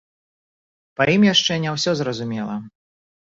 Па ім яшчэ не ўсё зразумела.